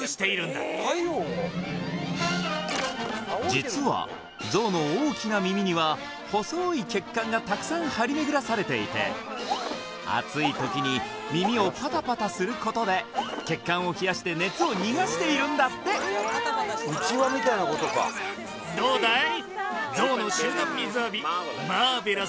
実はゾウの大きな耳には細い血管がたくさん張り巡らされていて暑い時に耳をパタパタすることで血管を冷やして熱を逃がしているんだってなかなか無理だね